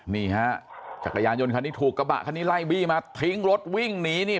นี่ฮะจักรยานยนต์คันนี้ถูกกระบะคันนี้ไล่บี้มาทิ้งรถวิ่งหนีนี่